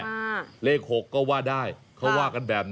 เดี๋ยวเลข๖ก็ว่าได้เขาว่ากันแบบนั้น